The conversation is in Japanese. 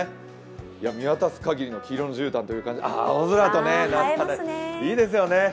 見渡す限りの黄色のじゅうたんという感じ、ああ、青空がいいですよね。